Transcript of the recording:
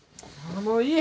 あもういい！